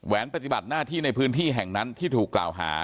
ปฏิบัติหน้าที่ในพื้นที่แห่งนั้นที่ถูกกล่าวหา